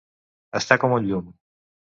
Estar com un llum.